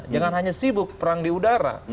jangan hanya sibuk perang di udara